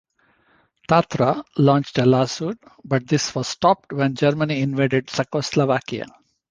Tatra launched a lawsuit, but this was stopped when Germany invaded Czechoslovakia.